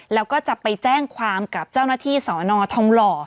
แล้วก็จะไปแจ้งความกับเจ้าหน้าที่สอนอทองหล่อ